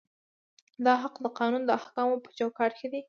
دا حق د قانون د احکامو په چوکاټ کې دی.